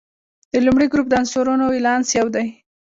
د لومړي ګروپ د عنصرونو ولانس یو دی.